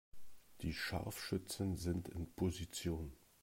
Die Scharfschützen sind in Position.